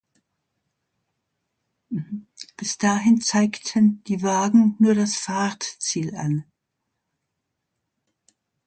Bis dahin zeigten die Wagen nur das Fahrtziel an.